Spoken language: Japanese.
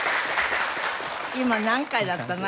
今何回だったの？